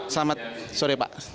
selamat sorry pak